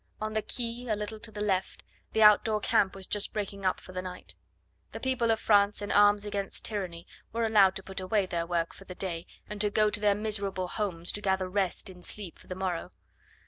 On the quay, a little to the left, the outdoor camp was just breaking up for the night. The people of France in arms against tyranny were allowed to put away their work for the day and to go to their miserable homes to gather rest in sleep for the morrow.